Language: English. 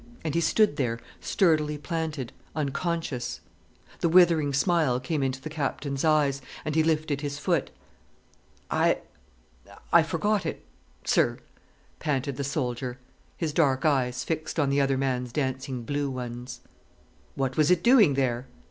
And he stood there sturdily planted, unconscious. The withering smile came into the Captain's eyes, and he lifted his foot. "I—I forgot it—sir," panted the soldier, his dark eyes fixed on the other man's dancing blue ones. "What was it doing there?"